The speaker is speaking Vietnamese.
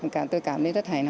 cảm thấy rất nhanh nhẹ